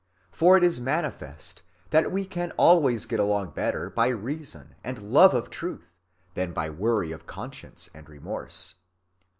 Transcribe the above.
For it is manifest that we can always get along better by reason and love of truth than by worry of conscience and remorse.